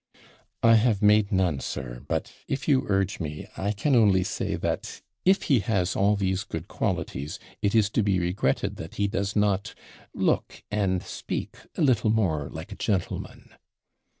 'I have made none, sir; but, if you urge me, I can only say that, if he has all these good qualities, it is to be regretted that he does not look and speak a little more like a gentleman.'